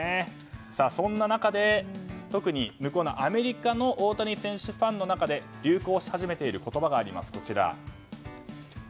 そんな中で、特にアメリカの大谷選手ファンの中で流行し始めている言葉があります。